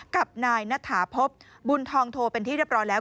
กับนายณฐาพบบุญทองโทเป็นที่เรียบร้อยแล้ว